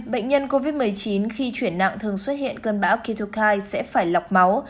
bệnh nhân covid một mươi chín khi chuyển nặng thường xuất hiện cơn bão kỳtoki sẽ phải lọc máu